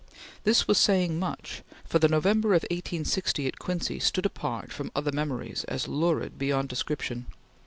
This was saying much, for the November of 1860 at Quincy stood apart from other memories as lurid beyond description.